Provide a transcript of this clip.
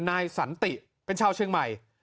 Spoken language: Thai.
นายสันติเป็นชาวเชียงใหม่